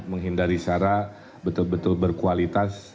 menghindari syarat betul betul berkualitas